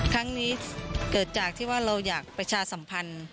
ครั้งนี้เกิดจากที่ว่าเราอยากประชาสัมพันธ์